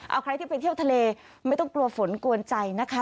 เอาใครที่ไปเที่ยวทะเลไม่ต้องกลัวฝนกวนใจนะคะ